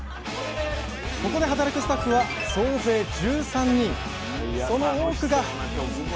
ここで働くスタッフは総勢１３人楽しそうな職場！